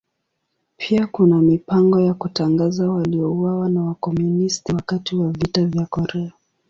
Pia kuna mipango ya kutangaza waliouawa na Wakomunisti wakati wa Vita vya Korea.